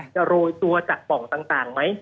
โรยตัวจากป่องต่างไหม